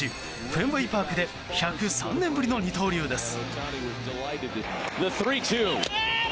フェンウェイ・パークで１０３年ぶりの二刀流です。